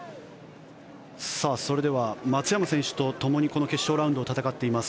それでは松山選手とともにこの決勝ラウンドを戦っています